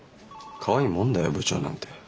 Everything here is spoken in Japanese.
かわいいもんだよ部長なんて。